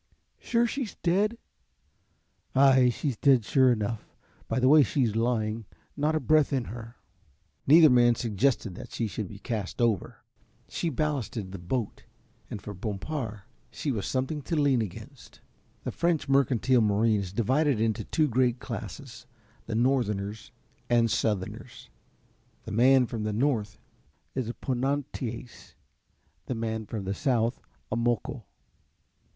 "Sure she's dead?" "Ay, she's dead sure enough by the way she's lying, not a breath in her." Neither man suggested that she should be cast over. She ballasted the boat, and for Bompard she was something to lean against. The French mercantile marine is divided into two great classes, the northerners and southerners. The man from the north is a Ponantaise, the man from the south a Moco.